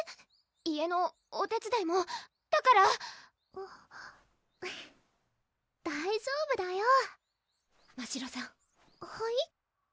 家のお手伝いもだから大丈夫だよましろさんはい？